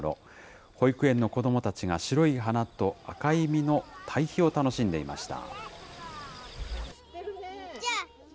保育園の子どもたちが白い花と赤い実の対比を楽しんでいました。